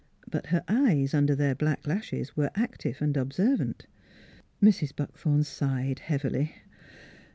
But her eyes under their black lashes were active and observant. Mrs. Buckthorn sighed heavily.